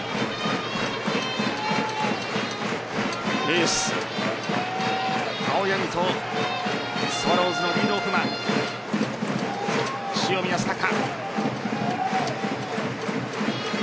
エース・青柳とスワローズのリードオフマン塩見泰隆。